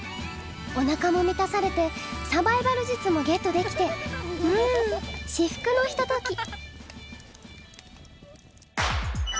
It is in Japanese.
おなかもみたされてサバイバル術もゲットできてうん至福のひととき。